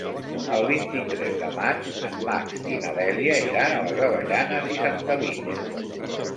El vint-i-tres de maig en Max i na Dèlia iran a les Avellanes i Santa Linya.